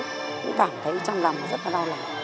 cũng cảm thấy trong lòng rất là lo lắng